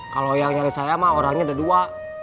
kalau yang nyari saya mah orangnya ada dua